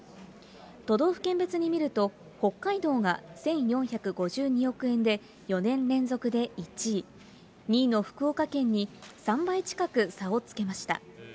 都道府県別に見ると、北海道が１４５２億円で４年連続で１位、２位の福岡県に３倍近く差をつけました。